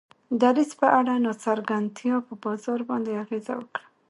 دریځ په اړه ناڅرګندتیا په بازار باندې اغیزه وکړه.